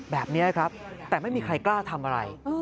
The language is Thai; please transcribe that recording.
แบบนี้ครับแต่ไม่มีใครกล้าทำอะไร